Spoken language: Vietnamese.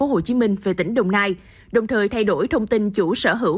công ty này đã chuyển trụ sở chính từ tp hcm về tỉnh đồng nai đồng thời thay đổi thông tin chủ sở hữu